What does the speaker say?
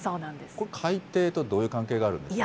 これ、海底とどういう関係があるんでしょうか。